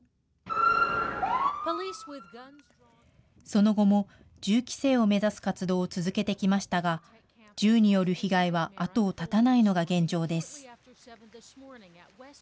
その後も銃規制を目指す活動を続けてきましたが、銃による被害は後を絶たないのが現状です。